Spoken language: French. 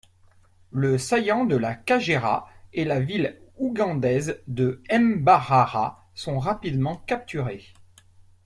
Le saillant de la Kagera et la ville ougandaise de Mbarara sont rapidement capturés.